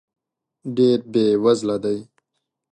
ډېر بې وزله دی .